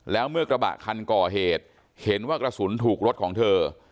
แล้วเมื่อกระบะคันก่อเหตุเห็นว่ากระสุนถูกรถของเธอ